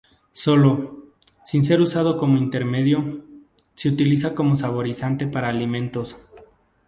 Solo, sin ser usado como intermedio, se utiliza como saborizante para alimentos.